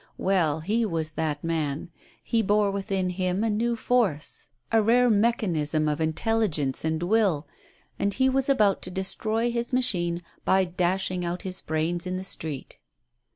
AVell, he was that man, he bore within him a new force. 70 A STARTLING PROPOSITION. a rare medianism of intelligence and will, and he W'as about to destroy his machine by dashing out his brains in the street.